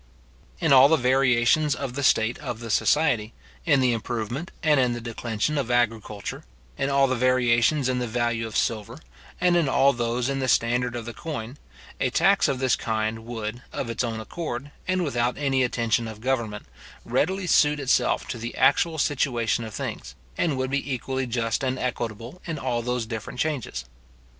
In all the variations of the state of the society, in the improvement and in the declension of agriculture; in all the variations in the value of silver, and in all those in the standard of the coin, a tax of this kind would, of its own accord, and without any attention of government, readily suit itself to the actual situation of things, and would be equally just and equitable in all those different changes.